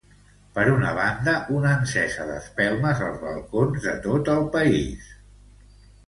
Per una banda, una encesa d’espelmes als balcons de tot el país.